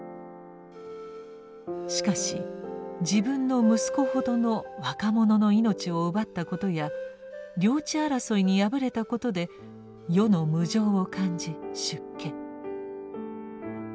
しかし自分の息子ほどの若者の命を奪ったことや領地争いに敗れたことで世の無常を感じ出家。